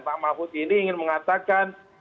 pak mahfud ini ingin mengatakan